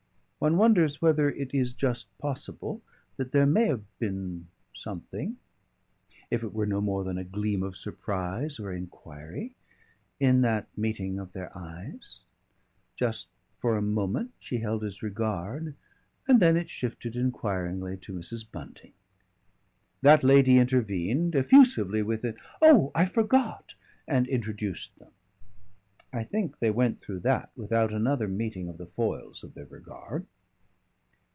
One wonders whether it is just possible that there may have been something, if it were no more than a gleam of surprise and enquiry, in that meeting of their eyes. Just for a moment she held his regard, and then it shifted enquiringly to Mrs. Bunting. That lady intervened effusively with an "Oh! I forgot," and introduced them. I think they went through that without another meeting of the foils of their regard.